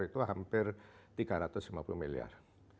itu hampir tiga ratus lima puluh miliar